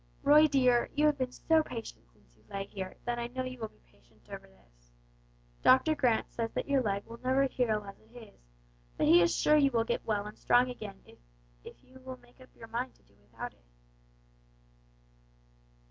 "Roy, dear, you have been so patient since you lay here, that I know you will be patient over this. Doctor Grant says that your leg will never heal as it is, but he is sure you will get well and strong again if if you will make up your mind to do without it."